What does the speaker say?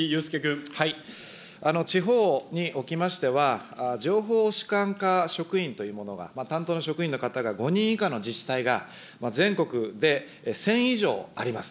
地方におきましては、情報主管課職員というものが、担当の職員の方が５人以下の自治体が全国で１０００以上あります。